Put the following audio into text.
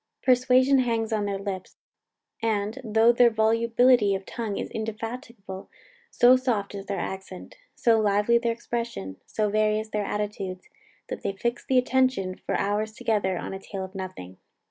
Persuasion hangs on their lips; and, though their volubility of tongue is indefatigable, so soft is their accent, so lively their expression, so various their attitudes, that they fix the attention for hours together on a tale of nothing.